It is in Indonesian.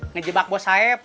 ngejebak bos saya